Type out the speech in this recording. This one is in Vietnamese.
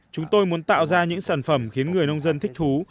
chúng tôi muốn tạo ra những sản phẩm khiến người nông dân thích thú